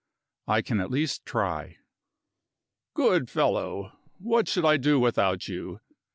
"I can at least try." "Good fellow! What should I do without you?